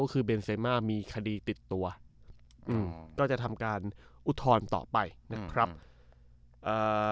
ก็คือเบนเซมามีคดีติดตัวอืมก็จะทำการอุทธรณ์ต่อไปนะครับเอ่อ